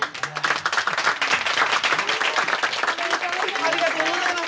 おめでとうございます。